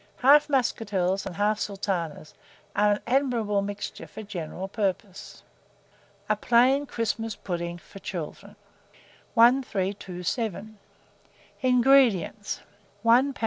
Half Muscatels and half Sultanas are an admirable mixture for general purposes. A PLAIN CHRISTMAS PUDDING FOR CHILDREN. 1327. INGREDIENTS. 1 lb.